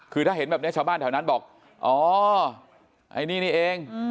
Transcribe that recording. คือถ้าเห็นแบบนี้ชาวบ้านแถวนั้นบอกอ๋อไอ้นี่นี่เอง